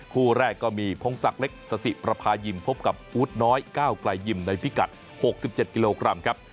คู่แรกก็มีพงศักดิ์เล็กสสิประพายิมพบกับอู๊ดน้อยก้าวไกลยิมในพิกัด๖๗กิโลกรัมครับ